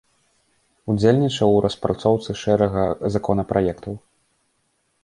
Удзельнічаў у распрацоўцы шэрага законапраектаў.